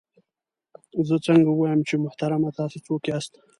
زه څنګه ووایم چې محترمه تاسې څوک یاست؟